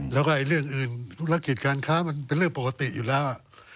แล้วก็เรื่องอื่นธุรกิจการค้ามันเป็นเรื่องปกติอยู่แล้ว